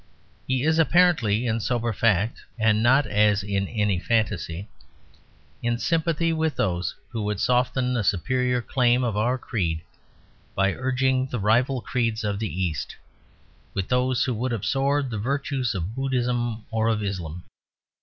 He is apparently in sober fact, and not as in any fantasy, in sympathy with those who would soften the superior claim of our creed by urging the rival creeds of the East; with those who would absorb the virtues of Buddhism or of Islam.